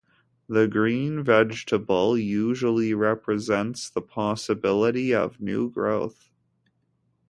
The green vegetable usually represents the possibility of new growth.